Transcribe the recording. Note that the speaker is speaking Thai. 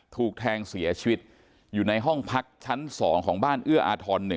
ถูกแทงเสียชีวิตอยู่ในห้องพักชั้น๒ของบ้านเอื้ออาทร๑